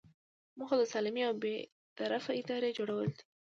موخه د سالمې او بې طرفه ادارې جوړول دي.